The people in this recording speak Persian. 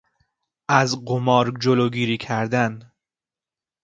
از قمار جلوگیری کردن